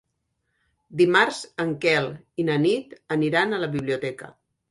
Dimarts en Quel i na Nit aniran a la biblioteca.